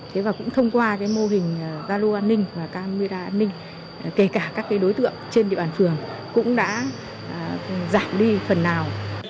thế và cũng thông qua cái mô hình gia lô an ninh và camera an ninh kể cả các đối tượng trên địa bàn phường cũng đã giảm đi phần nào